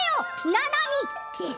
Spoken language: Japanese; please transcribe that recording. ななみです！